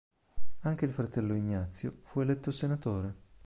Anche il fratello Ignazio fu eletto senatore.